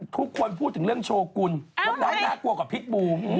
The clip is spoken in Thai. ทุกคนพูดถึงเรื่องโชกุลมุกดายน่ากลัวกว่าพิษบู